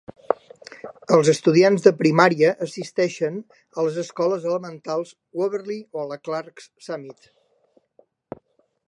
Els estudiants de primària assisteixen a les escoles elementals Waverly o a la Clarks Summit.